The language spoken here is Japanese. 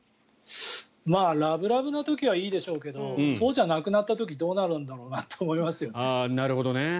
ラブラブな時はいいでしょうけどそうじゃなくなった時どうなるんだろうなと思いますよね。